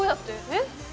えっ？